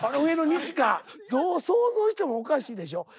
どう想像してもおかしいでしょ。